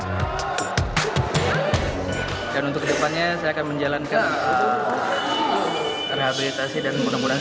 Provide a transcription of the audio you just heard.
dan untuk ke depannya saya akan menjalankan rehabilitasi dan penemuan